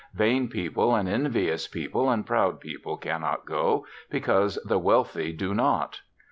Vain people and envious people and proud people cannot go, because the wealthy do not.